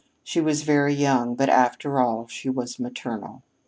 She was very young, but, after all, she was maternal.